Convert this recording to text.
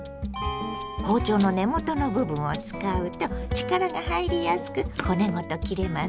包丁の根元の部分を使うと力が入りやすく骨ごと切れますよ。